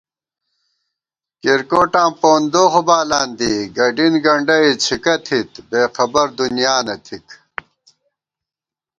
کِرکوٹاں پوندوخ بالان دی، گڈِن گنڈئی څِھکہ تھِت بېخبردُنیانہ تھِک